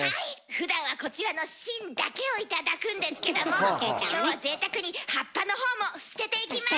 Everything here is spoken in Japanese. ふだんはこちらの芯だけを頂くんですけども今日はぜいたくに葉っぱのほうも捨てていきます！